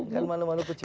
kan malu malu kucing